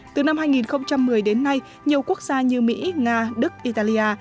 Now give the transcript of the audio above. từ năm hai nghìn một mươi đến nay nhiều quốc gia như mỹ nga đức italia